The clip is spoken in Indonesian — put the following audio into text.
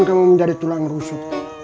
kamu menjadi tulang rusuk